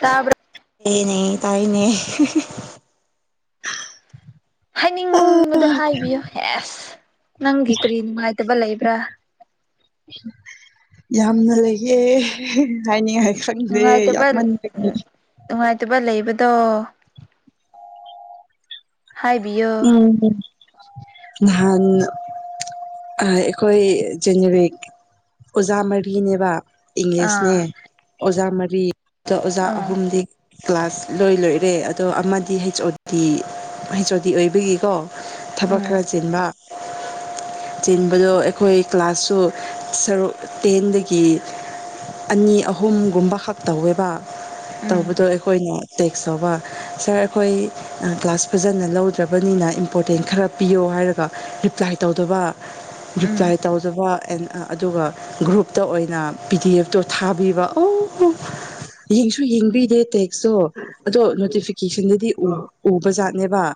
ꯇꯥꯕ꯭ꯔ ꯗꯦꯅꯦ ꯇꯥꯏꯅꯦ꯫ ꯍꯥꯏꯅꯤꯡꯕꯗꯣ ꯍꯥꯏꯕꯤꯌꯨ ꯍꯦꯁ ꯅꯪꯒꯤ ꯀꯔꯤ ꯅꯨꯡꯉꯥꯏꯇꯕ ꯂꯩꯕ꯭ꯔꯥ꯫ [inaudible] ꯌꯥꯝꯅ ꯂꯩꯌꯦ ꯍꯥꯏꯅꯤꯡꯉꯥꯏ ꯈꯪꯗꯦ ꯅꯨꯡꯉꯥꯏꯇꯕ ꯌꯥꯝꯃꯟꯕꯒꯤ ꯫ ꯅꯨꯡꯉꯥꯏꯇꯕ ꯂꯩꯕꯗꯣ꯫ ꯍꯥꯏꯕꯤꯌꯣ ꯫ ꯎꯝ ꯅꯍꯥꯥꯟ ꯫ ꯑꯩꯈꯣꯏ ꯖꯦꯅꯦꯔꯤꯛ ꯑꯣꯖꯥ ꯃꯔꯤꯅꯦꯕꯥ ꯫ ꯏꯪꯂꯤꯁꯅꯦ ꯑꯥ ꯑꯣꯖꯥ ꯃꯔꯤ ꯗꯣ ꯑꯣꯖꯥ ꯑꯥ ꯑꯍꯨꯝꯗꯤ꯫ ꯀ꯭ꯂꯥꯁ ꯂꯣꯏ ꯂꯣꯏꯔꯦ ꯑꯗꯣ ꯑꯃꯗꯤ ꯍꯩꯆ ꯑꯣ ꯗꯤ ꯍꯩꯆ ꯑꯣ ꯗꯤ ꯑꯣꯏꯕꯒꯤꯀꯣ꯫ ꯊꯕꯛ ꯎꯝ ꯈꯔ ꯆꯤꯟꯕꯥ ꯫ ꯆꯤꯟꯕꯗꯣ ꯑꯩꯈꯣꯏ ꯀ꯭ꯂꯥꯁꯁꯨ ꯁꯔꯨꯛ ꯇꯦꯟꯗꯒꯤ꯫ ꯑꯅꯤ ꯑꯍꯨꯝꯒꯨꯝꯕꯈꯛ ꯇꯧꯋꯦꯕꯥ ꯫ ꯎꯝ ꯇꯧꯕꯗꯣ ꯑꯩꯈꯣꯏꯅ ꯇꯦꯛꯁ ꯇꯧꯕ ꯁꯥꯔ ꯑꯩꯈꯣꯏ ꯑ ꯀ꯭ꯂꯥꯁ ꯐꯖꯅ ꯂꯧ꯫ ꯇꯕꯅꯤꯅ ꯏꯝꯄꯣꯔꯇꯦꯟ ꯈꯔ ꯄꯤꯌꯣ ꯍꯥꯏꯔꯒ ꯔꯤꯄ꯭ꯂꯥꯏ ꯇꯧꯗꯕ ꯎꯝ ꯔꯤꯄꯂ꯭ꯥꯏ ꯫ ꯇꯧꯗꯕ ꯑꯦꯟ ꯑꯗꯨꯒ ꯫ ꯒ꯭ꯔꯨꯞꯇ ꯑꯣꯏꯅ ꯄꯤ ꯗꯤ ꯑꯦꯐꯇꯣ ꯊꯥꯕꯤꯕ ꯑꯣ꯫ ꯌꯦꯡꯁꯨ ꯌꯦꯡꯕꯤꯗꯦ ꯇꯦꯛꯁꯇꯣ ꯑꯗꯣ ꯅꯣꯇꯤꯐꯤꯀꯦꯁꯟꯗꯗꯤ ꯎ ꯎꯕ ꯖꯥꯠꯅꯦꯕꯥ ꯫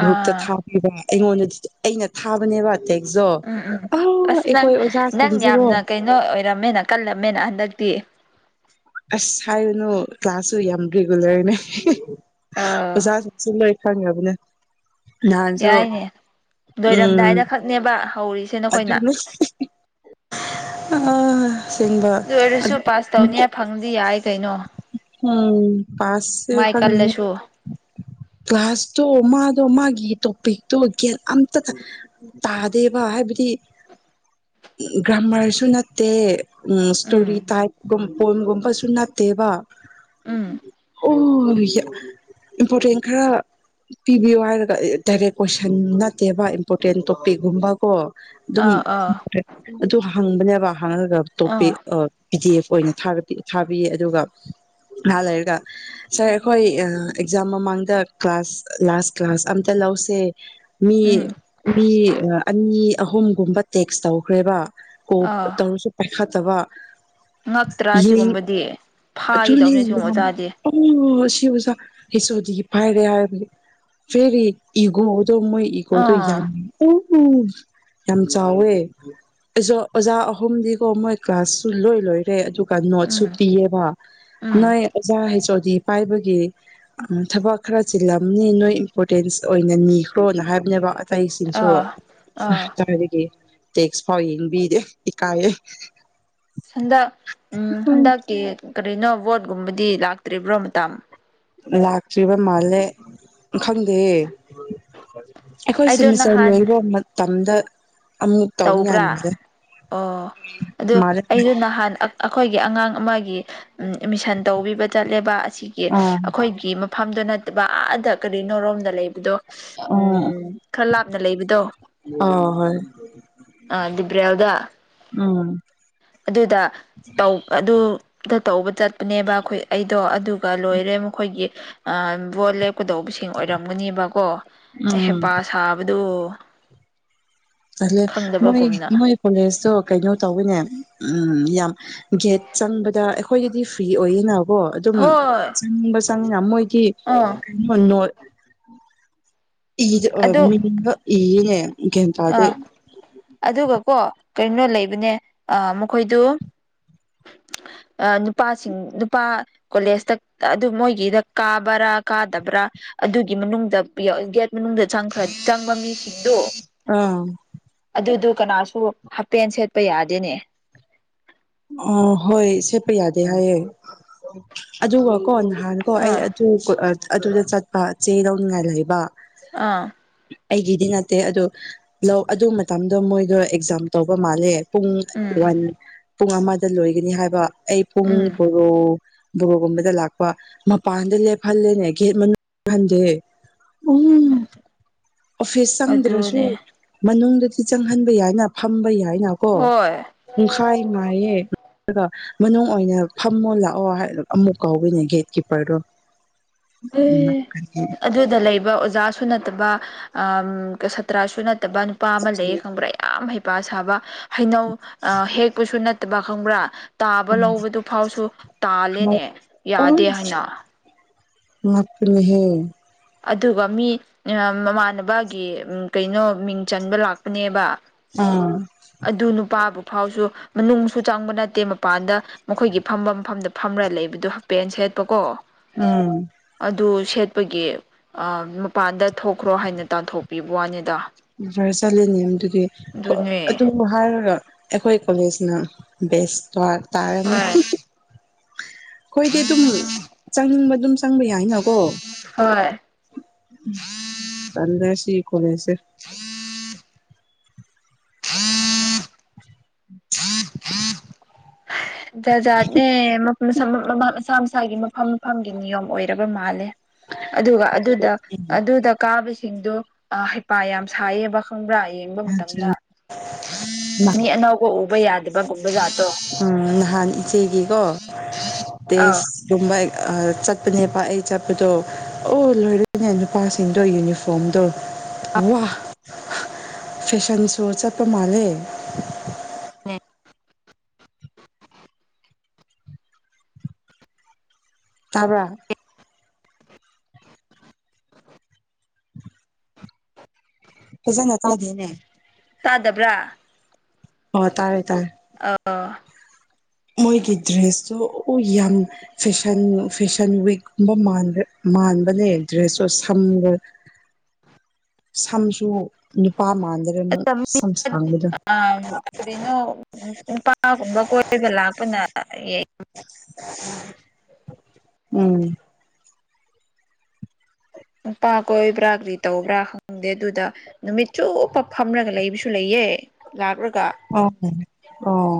ꯒ꯭ꯔꯨꯞꯇ ꯊꯥꯕꯤꯕꯥ ꯑꯩꯉꯣꯟꯗꯗꯤ ꯑꯩꯅ ꯊꯥꯕꯅꯦꯕ꯫ ꯇꯦꯛꯖꯣ ꯎꯝ ꯎꯝ ꯑ‌ꯣ ꯑꯩꯈ‌ꯣꯏ ꯑꯣꯖꯥ ꯁꯤꯡꯁꯤꯕꯨ ꯅꯣꯏ ꯑꯣꯏꯔꯝꯃꯦꯅ ꯀꯜꯂꯝꯃꯦꯅ ꯍꯟꯗꯛꯇꯤ ꯑꯁ ꯍꯥꯏꯌꯨꯅꯨ ꯀ꯭ꯂꯥꯁꯁꯨ ꯌꯥꯝ ꯔꯤꯒꯨꯂꯔꯅꯦ ꯑꯣꯖꯥ ꯑꯥ ꯁꯨ ꯂꯣꯢ ꯈꯪꯒ꯭ꯔꯕꯅꯦ ꯅꯍꯥꯟꯁꯨ ꯌꯥꯏꯅꯦ ꯎꯝ ꯂꯣꯏꯔꯝꯗꯥꯏꯗ ꯈꯛꯅꯦꯕ ꯍꯧꯔꯤꯁꯦ ꯅꯈꯣꯏꯅ ꯑꯗꯨꯅꯤ [unintelligible] ꯑꯁꯦꯡꯕ ꯑꯗꯨ ꯑꯣꯏꯔꯁꯨ ꯄꯥꯁ ꯇꯧꯅꯤꯉꯥꯢ ꯐꯪꯉꯗꯤ ꯌꯥꯏ ꯀꯩꯅꯣ ꯎꯝ ꯄꯥꯁꯁ‌ꯦ ꯃꯥꯏ ꯈꯪꯗ‌ꯦꯅ‌ꯦ ꯀꯜꯂꯁꯨ ꯀ꯭ꯂꯥꯁꯇꯣ ꯃꯥꯗꯣ ꯃꯥꯒꯤ ꯇꯣꯄꯤꯛꯇꯣ ꯒ꯭ꯌꯥꯟ ꯑꯝꯇ ꯇ ꯇꯥꯗꯦꯕ ꯍꯥꯏꯕꯗꯤ ꯎꯝ ꯒ꯭ꯔꯥꯃꯔꯁꯨ ꯅꯠꯇꯦ ꯎꯝ ꯁ꯭ꯇꯣꯔꯤ ꯇꯥꯏꯞ ꯀꯨꯝ ꯄ‌ꯣꯏꯝꯒꯨꯝꯕꯁꯨ ꯅꯠꯇꯦꯕ ꯎꯝ ꯎ [unintelligible] ꯏꯝꯄꯣꯔꯇꯦꯟ ꯈꯔ ꯄꯤꯕꯤꯌꯨ ꯍꯥꯏꯔꯒ [unintelligible] ꯗꯥꯏꯔꯦꯛ ꯀꯣꯏꯁꯟ ꯅꯠꯇꯦꯕ ꯏꯝꯄꯣꯔꯇꯦꯟ ꯇꯣꯄꯤꯛꯒꯨꯝꯕꯀꯣ ꯑꯗꯨꯝ ꯑꯥ ꯑꯥ ꯑꯗꯨ ꯍꯪꯕꯅꯦꯕ ꯍꯪꯉꯒ ꯑꯥ ꯇꯣꯄꯤꯛ ꯑ ꯄꯤ ꯗꯤ ꯑꯦꯐ ꯑꯣꯏꯅ ꯊꯥꯔꯛꯀ‌ꯦ ꯊꯥꯕꯤꯌꯦ ꯑꯗꯨꯒ ꯉꯍꯥꯛ ꯂꯩꯔꯒ ꯁꯥꯔ ꯑꯩꯈꯣꯏ ꯑ ꯑꯦꯛꯖꯥꯝ ꯃꯃꯥꯡꯗ ꯀ꯭ꯂꯥꯁ ꯂꯥꯁ ꯀ꯭ꯂꯥꯁ ꯑꯝꯇ ꯂꯧꯁꯦ ꯃꯤ ꯎꯝ ꯃꯤ ꯑ ꯑꯅꯤ ꯑꯍꯨꯝꯒꯨꯝꯕ ꯇꯦꯛꯁ ꯇꯧꯈ꯭ꯔꯦꯕ ꯀꯣꯞ ꯑꯥ ꯇꯧꯔꯁꯨ ꯄꯥꯏꯈꯠꯇꯕ ꯉꯛꯇ꯭ꯔꯥ ꯌꯦꯡ ꯁꯤꯒꯨꯝꯕꯗꯤ ꯑꯗꯨꯅꯦ ꯐꯥꯒꯦꯗꯧꯕꯅꯦ ꯁꯤꯒꯨꯝꯕ ꯌꯥꯝ ꯑꯣꯖꯥꯗꯤ ꯑꯣ ꯁꯤ ꯎꯖꯥ ꯍꯩꯁ ꯑꯣ ꯗꯤꯒꯤ ꯄꯥꯏꯔꯦ ꯍꯥꯏꯕꯅꯤ ꯐꯦꯔꯤ ꯏꯒꯣꯗꯣ ꯃꯣꯏ ꯏꯒꯣꯗꯣ ꯑꯥ ꯌꯥꯝ [unintelligible] ꯌꯥꯝ ꯆꯥꯎꯋꯦ ꯑꯣꯖꯣ ꯑꯣꯖꯥ ꯑꯍꯨꯝꯗꯤ ꯀꯣ ꯃꯣꯏ ꯀ꯭ꯂꯥꯁꯁꯨ ꯂꯣꯏ ꯂꯣꯏ ꯔꯦ ꯑꯗꯨꯒ ꯅꯣꯠꯁꯨ ꯎꯝ ꯄꯤꯌꯦꯕ ꯎꯝ ꯅꯣꯏ ꯑꯣꯖꯥ ꯍꯩꯁ ꯑꯣ ꯗꯤ ꯄꯥꯏꯕꯒꯤ ꯎꯝ ꯊꯕꯛ ꯈꯔ ꯆꯤꯜꯂꯝꯅꯤ ꯅꯣꯏ ꯏꯝꯄꯣꯔꯇꯦꯟꯁ ꯑꯣꯏꯅ ꯅꯤꯈ꯭ꯔꯣꯅ ꯍꯥꯏꯕꯅꯦꯕ ꯑꯇꯩꯁꯤꯡꯁꯨ ꯑꯥ ꯍ ꯑꯥ ꯀꯥꯏꯗꯒꯤ ꯇꯦꯛꯁ ꯐꯥꯎ ꯌꯦꯡꯕꯤꯗꯦ ꯏꯀꯥꯏꯌꯦ ꯍꯟꯗꯛ ꯎꯝ ꯍꯟꯗꯛꯀꯤ ꯀꯔꯤꯅꯣ ꯚ‌ꯣꯠꯒꯨꯝꯕꯗꯤ ꯂꯥꯛꯇ꯭ꯔꯤꯕ꯭ꯔꯣ ꯃꯇꯝ ꯂꯥꯛꯇ꯭ꯔꯤꯕ ꯃꯥꯜꯂꯦ ꯈꯪꯗꯦꯌꯦ ꯑꯩꯈꯣꯏ ꯑꯩꯗꯣ ꯁꯦꯃꯤꯁꯇꯔ ꯅꯍꯥꯟ ꯂꯣꯏꯕ ꯃꯇꯝꯗ ꯑꯃꯨꯛ ꯇꯧꯅꯤꯡꯉꯥꯏ ꯇꯧꯕ꯭ꯔꯥ ꯃꯥꯜꯂꯦ ꯑꯣ ꯑꯗꯨ ꯃꯥꯜꯂꯦ ꯑꯩꯗꯣ ꯅꯍꯥꯟ ꯑꯞ ꯑꯈꯣꯏꯒꯤ ꯑꯉꯥꯡ ꯑꯃꯒꯤ ꯎꯝ ꯑꯦꯃꯤꯁꯟ ꯇꯧꯕꯤꯕ ꯆꯠꯂꯦꯕ ꯑꯁꯤꯒꯤ ꯑꯥ ꯑꯈꯣꯏꯒꯤ ꯃꯞ ꯐꯝꯗꯨ ꯅꯠꯇꯕ ꯑꯥꯗ ꯀꯔꯤꯅꯣꯔꯣꯝꯗ ꯂꯩꯕꯗꯣ ꯎꯝ ꯈꯔ ꯂꯥꯞꯅ ꯂꯩꯕꯗꯣ ꯑꯥ ꯍꯣꯏ ꯑ ꯗꯤꯕ꯭ꯔꯦꯜꯗ ꯎꯝ ꯑꯗꯨꯗ ꯇꯧ ꯑꯗꯨꯗ ꯇꯧꯕ ꯆꯠꯄꯅꯦꯕ ꯑꯩꯈꯣꯏ ꯑꯩꯗꯣ ꯑꯗꯨ ꯒ ꯂꯣꯏꯔꯦ ꯃꯈꯣꯏꯒꯤ ꯑ ꯕꯣꯠ ꯂꯦꯞꯀꯗꯧꯕꯁꯤꯡ ꯑꯣꯏꯔꯝꯒꯅꯤꯕꯀꯣ ꯑ ꯎꯝ ꯍꯩꯄꯥ ꯁꯥꯕꯗꯨ ꯇꯜꯂꯦ ꯃꯣꯏ ꯈꯪꯗꯕꯒꯨꯝꯅ ꯃꯣꯏ ꯀꯣꯂꯦꯖꯇꯣ ꯀꯩꯅꯣ ꯇꯧꯋꯤꯅꯦ ꯎꯝ ꯌꯥꯝ ꯒꯦꯠ ꯆꯪꯕꯗ ꯑꯩꯈꯣꯏꯒꯤꯗꯤ ꯐ꯭ꯔꯤ ꯑꯣꯏꯌꯤꯅ ꯀꯣ ꯑꯗꯨꯝ ꯍꯣꯏ ꯆꯪꯅꯤꯡꯕ ꯆꯪꯉꯤꯅ ꯃꯣꯏꯒꯤ ꯑꯥ ꯀꯩꯅꯣ ꯅꯣꯠ ꯏꯗ ꯑ ꯑꯗꯨ ꯃꯤꯡꯒ ꯏꯌꯦꯅꯦ ꯒ꯭ꯌꯥꯟ ꯇꯥꯗꯦ ꯑꯥ ꯑꯗꯨꯒꯀꯣ ꯀꯔꯤꯅꯣ ꯂꯩꯕꯅꯦ ꯑ ꯃꯈꯣꯏꯗꯨ [inaudible] ꯑꯥ ꯅꯨꯄꯥꯁꯤꯡ ꯅꯨꯄꯥ ꯀꯣꯂꯦꯖꯇ ꯑꯗꯨ ꯃꯣꯏꯒꯤꯔ ꯀꯥꯕ꯭ꯔꯥ ꯀꯥꯗꯕ꯭ꯔꯥ ꯑꯗꯨꯒꯤ ꯃꯅꯨꯡꯗ ꯄꯤ ꯒꯦꯠ ꯃꯅꯨꯡꯗꯆꯪꯈ꯭ꯔ ꯆꯪꯕ ꯃꯤꯁꯤꯡꯗꯣ ꯑꯥꯎ ꯑꯗꯨꯗꯨ ꯀꯅꯥꯁꯨ ꯍꯥꯄꯦꯟ ꯁꯦꯠꯄ ꯌꯥꯗꯦꯅꯦ ꯍꯣ ꯍꯣꯏ ꯁꯦꯠꯄ ꯌꯥꯗꯦ ꯍꯥꯏꯌꯦ ꯑꯗꯨꯒ ꯀꯣ ꯅꯍꯥꯟ ꯀꯣ ꯑꯥ ꯑꯩ ꯑꯗꯨꯗ ꯆꯠꯄ ꯆꯦ ꯂꯧꯅꯤꯡꯉꯥꯏ ꯂꯩꯕ ꯑꯥ ꯑꯩꯒꯤꯗꯤ ꯅꯠꯇꯦ ꯑꯗꯨ ꯂꯧ ꯑꯗꯨ ꯃꯇꯝꯗꯣ ꯃꯣꯏꯗꯣ ꯑꯦꯛꯖꯥꯝ ꯇꯧꯕ ꯃꯥꯜꯂꯦ ꯄꯨꯡ ꯎꯝ ꯋꯥꯟ ꯄꯨꯡ ꯑꯃꯗ ꯂꯣꯏꯒꯅꯤ ꯍꯥꯏꯕ ꯑꯩ ꯄꯨꯡ ꯎꯝ ꯕꯣꯔꯣ ꯕꯣꯔꯣꯒꯨꯝꯕꯗ ꯂꯥꯛꯄ ꯃꯄꯥꯟꯗ ꯂꯦꯞꯍꯜꯂꯦꯅꯦ ꯒꯦꯠ ꯃꯅꯨꯡ ꯆꯪꯍꯟꯗꯦ ꯎꯝ ꯑꯣꯐꯤꯁ ꯆꯪꯗ꯭ꯔꯁꯨ ꯑꯗꯨꯅꯦ ꯃꯅꯨꯡꯗꯗꯤ ꯆꯪꯍꯟꯕ ꯌꯥꯏꯅ ꯐꯝꯕ ꯌꯥꯏꯅꯀꯣ ꯍꯣꯏ ꯄꯨꯡꯈꯥꯏ ꯉꯥꯢꯌꯦ ꯑꯗꯨꯒ ꯃꯅꯨꯡ ꯑꯣꯏꯅ ꯐꯝꯃꯣ ꯂꯥꯛꯑꯣ ꯍꯥꯏ ꯑꯃꯨꯛ ꯀꯧꯕꯅꯦ ꯒꯦꯠ ꯀꯤꯄꯔꯗꯣ ꯑꯦ ꯑꯗꯨꯗ ꯂꯩꯕ ꯑꯣꯖꯥ ꯁꯨ ꯅꯠꯇꯕ ꯑꯥ ꯁꯥꯇ꯭ꯔꯁꯨ ꯅꯠꯇꯕ ꯅꯨꯄꯥ ꯑꯃ ꯂꯩꯌꯦ ꯈꯪꯕ꯭ꯔꯥ ꯌꯥꯝ ꯍꯩꯄꯥ ꯁꯥꯕ ꯍꯩꯅꯧ ꯑ ꯍꯦꯛꯄꯨꯁꯨ ꯅꯠꯇꯕ ꯈꯪꯕ꯭ꯔꯥ ꯇꯥꯕ ꯎꯝ ꯂꯧꯕꯗꯨ ꯐꯥꯎꯁꯨ ꯇꯥꯜꯂꯦꯅꯦ ꯌꯥꯗꯦ ꯍꯥꯏꯅ ꯉꯛꯄꯅꯤꯍꯦ ꯑꯗꯨꯒ ꯃꯤ ꯃꯃꯥꯟꯅꯕꯒꯤ ꯀꯩꯅꯣ ꯃꯤꯡ ꯆꯟꯕ ꯂꯥꯛꯄꯅꯦꯕ ꯑꯥ ꯑꯗꯨ ꯅꯨꯄꯥꯕꯨ ꯐꯥꯎꯁꯨ ꯃꯅꯨꯡꯁꯨ ꯆꯪꯕ ꯅꯠꯇꯦ ꯃꯄꯥꯟꯗ ꯃꯈꯣꯏꯒꯤ ꯐꯝꯕ ꯐꯝꯗ ꯐꯝꯔ ꯂꯩꯕꯗꯣ ꯍꯥꯏꯄꯦꯟ ꯁꯦꯠꯄꯀꯣ ꯎꯝ ꯑꯗꯨ ꯁꯦꯠꯄꯒꯤ ꯃꯄꯥꯟꯗ ꯊꯣꯛꯈ꯭ꯔꯣ ꯍꯥꯏꯅ ꯇꯥꯟꯊꯣꯛꯄꯤꯕ ꯋꯥꯅꯤꯗ ꯐꯔꯦ ꯆꯠꯂꯅꯤ ꯑꯗꯨꯗꯤ ꯑꯗꯨꯅꯦ ꯑꯗꯨꯒ ꯍꯥꯏꯔꯒ ꯑꯩꯈꯣꯏ ꯀꯣꯂꯦꯖꯅ ꯕꯦꯁ ꯇꯥ ꯇꯥꯔꯦ ꯍꯥ ꯍꯣꯏ ꯑꯩꯈꯣꯏꯗꯤ ꯑꯗꯨꯝ ꯆꯪꯅꯤꯡꯕ ꯑꯗꯨꯝ ꯆꯪꯕ ꯌꯥꯏꯅꯀꯣ ꯍꯣꯏ ꯇꯟꯗꯔꯥꯁꯤ ꯀꯣꯂꯦꯁꯁꯦ [unintelligible] [unintelligible] ꯖꯥ ꯖꯥꯠꯅꯦ ꯃꯁꯥ ꯃꯁꯥꯒꯤ ꯃꯐꯝ ꯃꯐꯝꯒꯤ ꯅꯤꯌꯣꯝ ꯑꯣꯏꯔꯕ ꯃꯥꯜꯂꯦ ꯑꯗꯨꯒ ꯑꯗꯨꯗ ꯑꯗꯨꯗ ꯀꯥꯕꯁꯤꯡꯗꯨꯣ ꯍꯩꯄꯥ ꯌꯥꯝ ꯁꯥꯏꯌꯦꯕ ꯈꯪꯕ꯭ꯔꯥ ꯌꯦꯡꯕ ꯃꯇꯝꯗ ꯃꯤ ꯑꯅꯧꯕ ꯎꯕ ꯌꯥꯗꯕꯒꯨꯝꯕ ꯖꯥꯠꯇꯣ ꯎꯝ ꯅꯍꯥꯟ ꯏꯆꯦꯒꯤꯀꯣ ꯑꯥꯎ ꯇꯦꯁ ꯑꯗꯨꯨꯝꯕ ꯆꯠꯄꯅꯦ ꯄꯥꯛ ꯑꯩ ꯆꯠꯄꯗꯣ ꯑꯣ ꯂꯣꯏꯔꯣꯏꯅꯦ ꯅꯨꯄꯥꯁꯤꯡꯗꯣ ꯌꯨꯅꯤꯐꯣꯝ ꯐꯣꯝꯗꯣ ꯋꯥ ꯐꯦꯁꯟ ꯁꯣ ꯆꯠꯄ ꯃꯥꯜꯂꯦ ꯅꯦ ꯇꯥꯕ꯭ꯔꯥ ꯐꯖꯅ ꯇꯥꯗꯦꯅꯦ ꯇꯥꯗꯕ꯭ꯔꯥ ꯑꯣ ꯇꯥꯔꯦ ꯇꯥꯔꯦ ꯑꯥꯎ ꯃꯣꯏꯒꯤ ꯗ꯭ꯔꯦꯁꯇꯨ [unintelligible] ꯌꯥꯝ ꯐꯦꯁꯟ ꯐꯦꯁꯟ ꯋꯤꯛꯀꯨꯝꯕ ꯃꯥꯟꯕ ꯃꯥꯟꯕꯅꯦ ꯗ꯭ꯔꯦꯁꯇ ꯁꯝ ꯁꯝꯁꯨ ꯅꯨꯄꯥ ꯃꯥꯟꯗꯔꯦ ꯁꯝ ꯁꯥꯡꯕꯗ [unintelligible] ꯀꯔꯤꯅꯣ ꯅꯨꯄꯥꯒꯨꯝꯕ ꯀꯣꯏꯔꯕ ꯂꯥꯛꯄꯅ [unintelligible] [unintelligible] ꯎꯝ ꯅꯨꯄꯥ ꯀꯣꯏꯕ꯭ꯔꯥ ꯀꯔꯤ ꯇꯧꯕ꯭ꯔꯥ ꯈꯪꯗꯦ ꯑꯗꯨꯗ ꯅꯨꯃꯤꯠ ꯆꯨꯞꯄ ꯐꯝꯔꯒ ꯂꯩꯕꯁꯨ ꯂꯩꯌꯦ ꯂꯥꯛꯔꯒ ꯑꯣ ꯑꯣ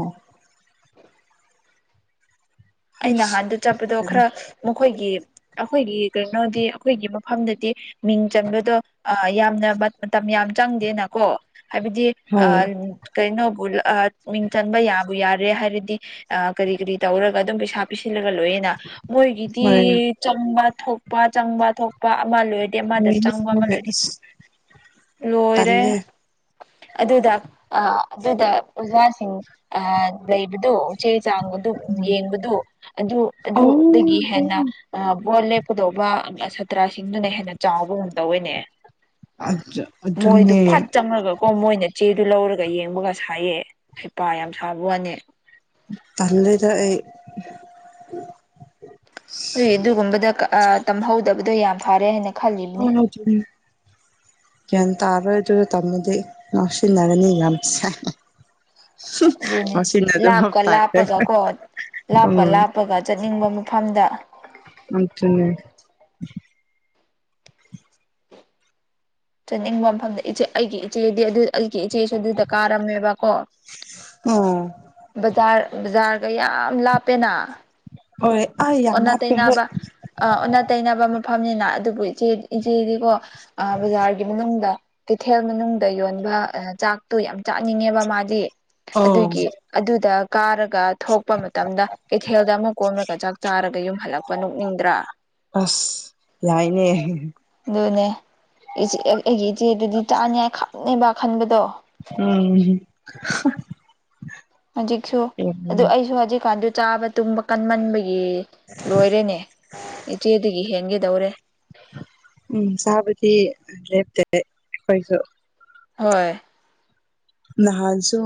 ꯑꯩ ꯍꯩꯁ ꯅꯍꯥꯟꯗꯣ ꯆꯠꯄꯗꯣ ꯈꯔ ꯃꯈꯣꯏꯒꯤ ꯑꯩꯈꯣꯏꯒꯤ ꯀꯩꯅꯣꯗꯤ ꯑꯩꯈꯣꯏꯒꯤ ꯃꯐꯝꯗꯗꯤ ꯃꯤꯡ ꯆꯟꯕꯗꯣ ꯑ ꯌꯥꯝꯅ ꯃꯇꯝ ꯌꯥꯝ ꯆꯪꯗꯦꯅꯀꯣ ꯍꯥꯏꯕꯗꯤ ꯑ ꯍꯣꯏ [unintelligible] ꯀꯩꯅꯣꯕꯨ ꯑ ꯃꯤꯡ ꯆꯟꯕ ꯌꯥꯕꯨ ꯌꯥꯔꯦ ꯍꯥꯏꯔꯗꯤ ꯑ ꯀꯔꯤ ꯀꯔꯤ ꯇꯧꯔꯒ ꯑꯗꯨꯝ ꯄꯩꯁꯥ ꯄꯤꯁꯤꯜꯂꯒ ꯂꯣꯏꯌꯦꯅ ꯍꯣꯏ ꯃꯣꯏꯒꯤꯗꯤ ꯆꯪꯕ ꯊꯣꯛꯄ ꯆꯪꯕ ꯊꯣꯛꯄ ꯑꯃ ꯂꯣꯏ ꯑꯃꯗ ꯍꯣꯏꯅꯦ ꯆꯪꯕ ꯑꯃ ꯍꯣꯏ ꯂꯩꯔꯤ ꯑꯁ ꯇꯜꯂꯦ ꯂꯣꯏꯔꯦ ꯑꯗꯨꯗ ꯑ ꯑꯗꯨꯗ ꯑꯣꯖꯥꯁꯤꯡ ꯑ ꯂꯩꯕꯗꯣ ꯎꯆꯦꯛ ꯆꯥꯡꯕꯗꯨ ꯎꯝ ꯌꯦꯡꯕꯗꯨ ꯑꯗꯨ ꯑꯧ ꯑꯗꯨꯗꯒꯤ ꯍꯦꯟꯅ ꯑꯧ ꯕꯣꯠ ꯂꯦꯞꯀꯗꯧꯕ ꯁꯇ꯭ꯔꯥ ꯁꯤꯡ ꯑꯗꯨꯅ ꯍꯦꯟꯅ ꯆꯥꯎꯕꯒꯨꯝ ꯇꯧꯋꯦꯅꯦ ꯑꯗꯨ ꯃꯣꯏꯗꯨ ꯑꯗꯨꯅꯦ ꯐꯠ ꯆꯪꯉꯒ ꯀꯣ ꯃꯣꯏꯅ ꯆꯦꯗꯨ ꯂꯧꯔꯒ ꯌꯦꯡꯕꯒ ꯁꯥꯌꯦ ꯍꯩꯄꯥ ꯌꯥꯝ ꯁꯥꯕ ꯋꯥꯅꯦ꯫ ꯇꯜꯂꯦꯗ ꯑꯩ꯫ ꯈꯣꯏ ꯑꯗꯨꯒꯨꯝꯕꯗ ꯀ ꯑ ꯇꯝꯍꯧꯗꯕꯗꯣ ꯌꯥꯝ ꯐꯔꯦꯅꯦ ꯍꯣꯏ ꯍꯣꯏ ꯆꯨꯝꯃꯦ꯫ ꯒ꯭ꯌꯥꯟ ꯇꯥꯕ꯭ꯔꯥ ꯑꯗꯨꯗ ꯇꯝꯃꯗꯤ ꯉꯥꯎꯁꯤꯟꯅꯔꯅꯤ ꯌꯥꯝ [unintelligible] ꯑꯗꯨꯅꯦ [inaudible] [unintelligible] ꯂꯥꯞꯄ ꯎꯝ ꯂꯥꯞꯄꯒ ꯆꯠꯅꯤꯡꯕ ꯃꯐꯝꯗ꯫ ꯑꯗꯨꯅꯦ ꯆꯠꯅꯤꯡꯕ ꯃꯐꯝꯗ ꯏꯆꯦ ꯑꯩꯒꯤ ꯏꯆꯦꯗꯤ ꯑꯗꯨ ꯑꯩꯒꯤ ꯏꯆꯦꯁꯨ ꯑꯗꯨꯗ ꯀꯥꯔꯝꯃꯦꯕꯀꯣ꯫ ꯎꯝ ꯕꯖꯥꯔ ꯕꯖꯥꯔꯒ ꯌꯥꯝ ꯂꯥꯞꯄꯦꯅ꯫ ꯍꯣꯏ ꯑꯩ ꯌꯥꯝ ꯑꯣꯟꯅ ꯂꯥꯞꯄꯦꯍꯦ ꯇꯩꯅꯕ ꯑ ꯑꯣꯟꯅ ꯇꯩꯅꯕ ꯃꯐꯝꯅꯤꯅ ꯑꯗꯨꯕꯨ ꯏꯆꯦ ꯏꯆꯦꯗꯤꯀꯣ ꯑ ꯕꯖꯥꯔ ꯃꯅꯨꯡꯗ ꯀꯩꯊꯦꯜ ꯃꯅꯨꯡꯗ ꯌꯣꯟꯕ ꯑ ꯆꯥꯛꯇꯨ ꯌꯥꯝ ꯆꯥꯅꯤꯡꯉꯦꯕ ꯃꯥꯗꯤ꯫ ꯑꯣ ꯑꯗꯨꯒꯤ ꯑꯗꯨꯗ ꯀꯥꯔꯒ ꯊꯣꯛꯄ ꯃꯇꯝꯗ ꯀꯩꯊꯦꯜꯗ ꯑꯃꯨꯛ ꯀꯨꯝꯔꯒ ꯆꯥꯛ ꯆꯥꯔꯒ ꯑꯃꯨꯛ ꯌꯨꯝ ꯍꯜꯂꯛꯄ ꯅꯣꯛꯅꯤꯡꯗ꯭ꯔꯥ ꯑꯁ ꯌꯥꯏꯅꯦ ꯑꯗꯨꯅꯦ [unintelligible] ꯑꯩꯒꯤ ꯏꯆꯦꯗꯨꯗꯤ ꯆꯥꯅꯤꯉꯥꯏ ꯈꯪꯉꯦꯕ ꯈꯟꯕꯗꯣ ꯎꯨꯝ [unintelligible] ꯍꯧꯖꯤꯛꯁꯨ ꯑꯗꯨ ꯑꯩꯁꯨ ꯍꯧꯖꯤꯛꯀꯥꯟꯗꯨ ꯆꯥꯕ ꯇꯨꯝꯕ ꯀꯟꯃꯟꯕꯩ ꯑꯦ ꯂꯣꯏꯔꯦꯅꯦ ꯏꯆꯦꯗꯒꯤ ꯍꯦꯟꯒꯗꯧꯔꯦ꯫ ꯎꯝ ꯆꯕꯗꯤ ꯂꯦꯞꯇꯦ ꯈꯣꯏꯖꯨ꯫ ꯍꯣꯏ꯫ ꯅꯍꯥꯟꯁꯨ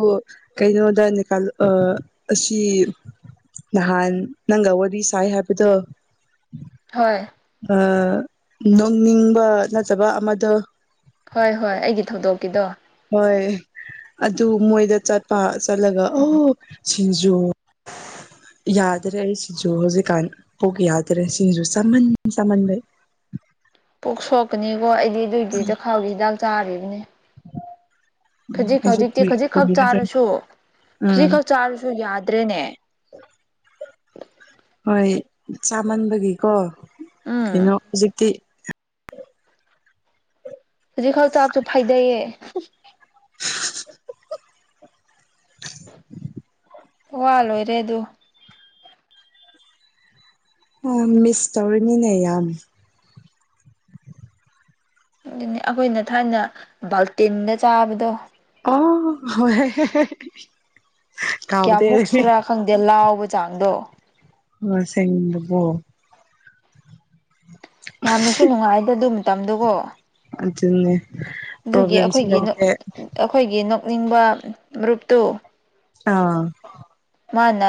ꯀꯩꯅꯣꯗ [unintelligible] ꯑꯥ ꯑꯁꯤ ꯅꯍꯥꯟ ꯅꯪꯒ ꯋꯥꯔꯤ ꯁꯥꯏ ꯍꯥꯏꯕꯗꯣ ꯍꯣꯏ ꯑ ꯅꯣꯡꯅꯤꯡꯕ ꯅꯠꯇꯕ ꯑꯃꯗꯣ꯫ ꯍꯣꯏ ꯍꯣꯏ ꯑꯩꯒꯤ ꯊꯧꯗꯣꯛꯀꯤꯗꯣ꯫ ꯍꯣꯏ ꯑꯗꯨ ꯃꯣꯏꯗ ꯆꯠꯄ ꯆꯠꯂꯒ ꯎꯝ ꯑꯣ [inaudible] ꯌꯥꯗ꯭ꯔꯦ ꯑꯩ ꯁꯤꯡꯖꯨ ꯍꯧꯖꯤꯛꯀꯥꯟ ꯀꯣꯛ ꯌꯥꯗ꯭ꯔꯦ ꯁꯤꯡꯖꯨ ꯆꯃꯟ ꯆꯃꯟꯕꯩ꯫ ꯄꯨꯛ ꯁꯣꯛꯀꯅꯤꯀꯣ ꯑꯩꯗꯤ ꯑꯗꯨꯏꯗꯤ ꯆꯈꯥꯎꯒꯤ ꯍꯤꯗꯥꯛ ꯆꯥꯔꯤꯕꯅꯤ꯫ ꯈꯖꯤꯛ ꯑꯩꯁꯨ ꯈꯖꯤꯛꯇꯤ ꯄꯨꯔꯤ ꯈꯖꯤꯛꯈꯛ ꯄꯨꯔꯤꯒ ꯆꯥꯏ ꯆꯥꯔꯁꯨ ꯎꯝ ꯈꯖꯤꯛꯈꯛ ꯆꯥꯔꯁꯨ ꯌꯥꯗ꯭ꯔꯦꯅꯦ꯫ ꯍꯣꯏ ꯆꯥꯃꯟꯕꯒꯤꯀꯣ ꯎꯝ ꯀꯩꯅꯣ ꯍꯧꯖꯤꯛꯇꯤ ꯈꯖꯤꯛꯈꯛ ꯆꯥꯕꯁꯨ ꯐꯥꯏꯗꯩꯌꯦ꯫ [unintelligible] ꯋꯥ ꯂꯣꯏꯔꯦ ꯑꯗꯨ꯫ ꯑꯥ ꯃꯤꯁ ꯇꯧꯔꯅꯤꯅꯦ ꯌꯥꯝ꯫ ꯑꯗꯨꯅꯦ ꯑꯈꯣꯏꯅ ꯊꯥꯏꯅ ꯕꯥꯜꯇꯤꯟꯗ ꯆꯥꯕꯗꯣ꯫ ꯑꯣ [unintelligible] ꯀꯥꯎꯗꯦ ꯀꯌꯥꯃꯨꯛ ꯁꯨꯔꯥ ꯈꯪꯗꯦ ꯂꯥꯎꯕ ꯆꯥꯡꯗꯣ꯫ ꯑꯁꯦꯡꯕꯒꯣ ꯌꯥꯝꯅꯁꯨ ꯅꯨꯡꯉꯥꯏꯗ ꯑꯗꯨ ꯃꯇꯝꯗꯀꯣ꯫ ꯑꯗꯨꯅꯦ ꯄ꯭ꯔꯣꯕꯂꯦꯝꯁꯨ ꯂꯩꯇꯦ ꯑꯈꯣꯏꯒꯤ ꯅꯣꯛꯅꯤꯡꯕ ꯃꯔꯨꯞꯇꯨ ꯑꯥ ꯃꯥꯅ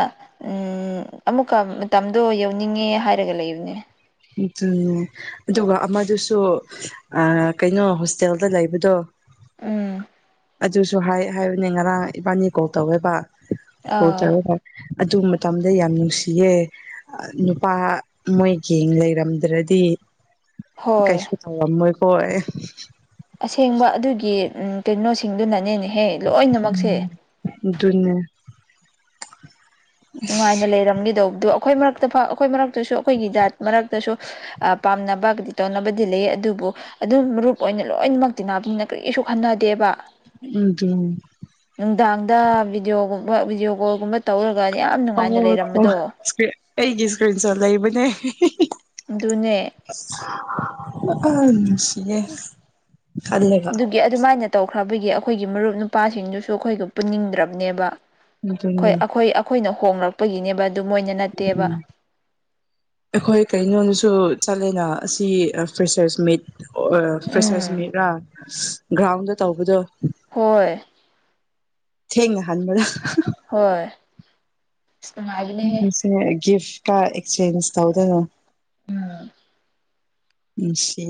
ꯎꯝ ꯑꯃꯨꯛꯀ ꯃꯇꯝꯗꯣ ꯌꯧꯅꯤꯡꯉꯦ ꯍꯥꯏꯔꯒ ꯂꯩꯕꯅꯦ ꯑꯗꯨꯅꯦ ꯑꯗꯨꯒ ꯑꯃꯗꯨꯁꯨ ꯑꯥ ꯀꯩꯅꯣ ꯍꯣꯁꯇꯦꯜꯗ ꯂꯩꯕꯗꯣ ꯎꯝ ꯑꯗꯨꯁꯨ ꯍꯥꯏ ꯍꯥꯏꯕꯅꯦ ꯉꯔꯥꯡ ꯏꯕꯥꯅꯤ ꯀꯣꯜ ꯇꯧꯋꯦꯕ ꯀꯣꯜ ꯑꯥ ꯇꯧꯔꯒ ꯑꯗꯨ ꯃꯇꯝꯗ ꯌꯥꯝ ꯅꯨꯡꯁꯤꯌꯦ ꯑꯥ ꯅꯨꯄꯥ ꯃꯣꯏ ꯒꯦꯡ ꯂꯩꯔꯝꯗ꯭ꯔꯗꯤ ꯍꯣꯏ ꯀꯩꯁꯨ ꯇꯧꯔꯝꯃꯣꯏ ꯀꯣ ꯑꯦ ꯑꯁꯦꯡꯕ ꯑꯗꯨꯒꯤ ꯎꯝ ꯀꯩꯅꯣꯁꯤꯡꯗꯨꯅꯅꯦꯍꯦ ꯂꯣꯏꯅꯃꯛꯁꯦ ꯑꯗꯨꯅꯦ ꯅꯨꯡꯉꯥꯏꯅ ꯂꯩꯔꯝꯒꯦꯗꯧꯕꯗꯨ ꯑꯩꯈꯣꯏ ꯃꯔꯛꯇ ꯐꯥꯎ ꯑꯩꯈꯣꯏ ꯃꯔꯛꯇꯁꯨ ꯑꯩꯈꯣꯏꯒꯤ ꯖꯥꯠ ꯃꯔꯛ ꯇꯁꯨ ꯑꯥ ꯄꯥꯝꯅꯕꯒꯗꯤ ꯇꯧꯅꯕꯗꯤ ꯂꯩꯌꯦ ꯑꯗꯨꯕꯨ ꯑꯗꯨꯝ ꯃꯔꯨꯞ ꯑꯣꯏꯅ ꯂꯣꯏꯅꯃꯛ ꯇꯤꯟꯅꯕꯅꯤꯅ ꯀꯔꯤꯁꯨ ꯈꯟꯅꯗꯦꯕ [unintelligible] ꯅꯨꯡꯗꯥꯡꯗ ꯚꯗꯤꯑꯣꯒꯨꯝꯕ ꯚꯤꯗꯤꯑꯣ ꯀꯣꯜꯒꯨꯝꯕ ꯇꯧꯔ ꯒ ꯌꯥꯝꯅ ꯑꯣ [unintelligible] ꯑꯩꯒꯤ ꯁꯀ꯭ꯔꯤꯟ ꯁꯣꯠ ꯂꯩꯕꯅꯦ ꯑꯥ ꯍꯤ ꯍꯤ ꯑꯗꯨꯅꯦ [unintelligible] ꯅꯨꯡꯁꯤꯌꯦ ꯈꯜꯂꯒ ꯒꯦ ꯑꯗꯨꯃꯥꯏꯅ ꯇꯧꯈ꯭ꯔꯕꯒꯤ ꯑꯩꯈꯣꯏꯒꯤ ꯃꯔꯨꯞ ꯅꯨꯄꯥꯁꯤꯡꯗꯨꯁꯨ ꯑꯩꯈꯣꯏꯒ ꯄꯨꯟꯅꯤꯡꯗ꯭ꯔꯕꯅꯦꯕ ꯈꯣꯏ ꯑꯗꯨꯅꯦ ꯑꯩꯈꯣꯏ ꯑꯩꯈꯣꯏꯅ ꯍꯣꯡꯂꯔꯛꯄꯒꯤꯅꯦꯕ ꯑꯗꯨ ꯃꯣꯏꯅ ꯅꯠꯇꯦꯕ ꯑꯩꯈꯣꯏ ꯀꯩꯅꯣꯗꯁꯨ ꯆꯠꯂꯦꯅ ꯑꯁꯤ ꯑꯥ ꯐ꯭ꯔꯦꯁꯔꯁ ꯃꯤꯠ ꯑꯣꯢ ꯐ꯭ꯔꯦꯁꯔꯁ ꯎꯝ ꯃꯤꯠꯔꯥ ꯒ꯭ꯔꯥꯎꯟꯗ ꯇꯧꯕꯗꯨ ꯍꯣꯏ ꯊꯦꯡꯅ ꯍꯟꯕꯗꯣ ꯍꯣꯏ ꯑꯁ ꯅꯨꯡꯉꯥꯢꯕꯅꯦꯍꯦ ꯒꯤꯐ ꯀ ꯑꯦꯛꯁꯆꯦꯟꯖ ꯇꯧꯗꯣꯏꯔꯣ? ꯎꯝ ꯅꯨꯡꯁꯤ꯫